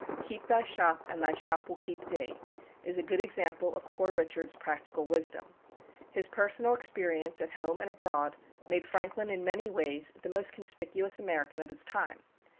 "Keep thy shop and thy shop will keep thee," is a good example of "Poor Richard's" practical wisdom. His personal experience at home and abroad made Franklin in many ways the most conspicuous American of his time.